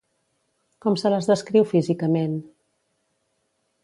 Com se les descriu físicament?